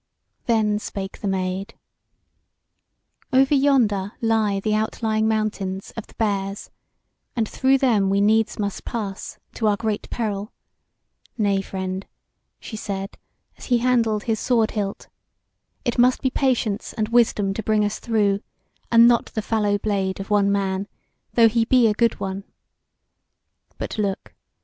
Then spake the Maid: "Over yonder lie the outlying mountains of the Bears, and through them we needs must pass, to our great peril. Nay, friend," she said, as he handled his sword hilt, "it must be patience and wisdom to bring us through, and not the fallow blade of one man, though he be a good one. But look!